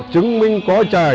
chứng minh có trời